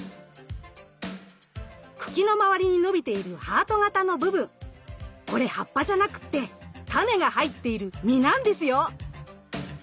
茎の周りに伸びているハート型の部分これ葉っぱじゃなくってタネが入っている実なんですよ。